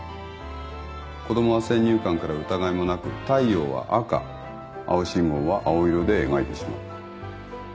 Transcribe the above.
子供は先入観から疑いもなく太陽は赤青信号は青色で描いてしまう。